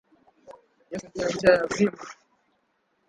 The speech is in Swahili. Yesu Ndiye njia ya uzima.